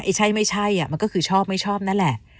ใช่ไม่ใช่มันก็คือชอบไม่ชอบนั่นแหละ